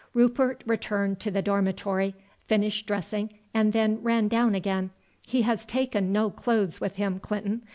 Rupert returned to the dormitory, finished dressing, and then ran down again. "He has taken no clothes with him, Clinton.